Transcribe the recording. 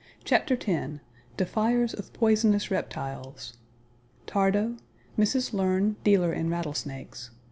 CHAPTER TEN DEFIERS OF POISONOUS REPTILES: THARDO; MRS. LEARN, DEALER IN RATTLESNAKES.